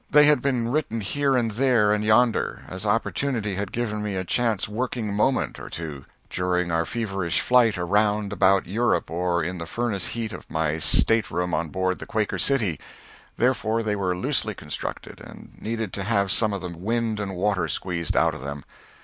They had been written here and there and yonder, as opportunity had given me a chance working moment or two during our feverish flight around about Europe or in the furnace heat of my stateroom on board the "Quaker City," therefore they were loosely constructed, and needed to have some of the wind and water squeezed out of them.